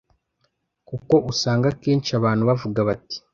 kuko usanga kenshi abantu bavuga bati